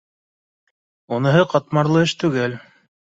Уныһы ҡатмарлы эш түгел